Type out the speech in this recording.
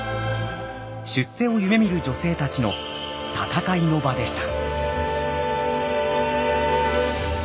出世を夢みる女性たちの戦いの場でした。